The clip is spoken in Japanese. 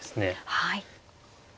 はい。